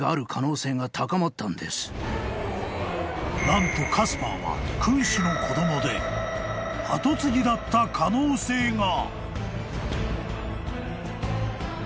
［何とカスパーは君主の子供で跡継ぎだった可能性が！］